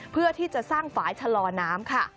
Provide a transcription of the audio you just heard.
เพื่อที่จะสร้างฝ่ายชะลอน้ำค่ะ